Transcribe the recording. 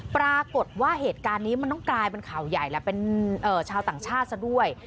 ปรากฏว่าเหตุการณ์นี้มันต้องกลายเป็นข่าวใหญ่แหละเป็นชาวต่างชาติซะด้วย